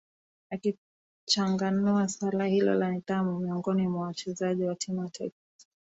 akichanganua swala hilo la nidhamu miongoni mwa wachezaji wa timu ya taifa